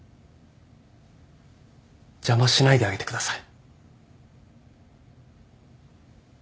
邪魔しないであげてください。